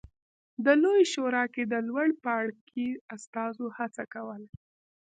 د لویې شورا کې د لوړ پاړکي استازو هڅه کوله